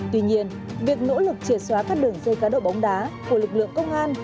tuy nhiên việc nỗ lực triệt xóa các đường dây cá độ bóng đá của lực lượng công an